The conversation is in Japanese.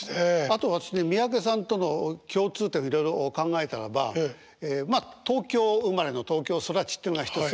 あと私ね三宅さんとの共通点いろいろ考えたらばまっ東京生まれの東京育ちってのが１つ。